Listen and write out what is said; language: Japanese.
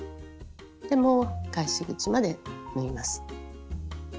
で返し口まで縫います。